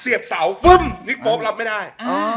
เสียบเสานิกโป๊ปรับไม่ได้